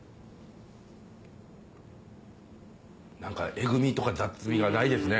えぐみとか雑みがないですね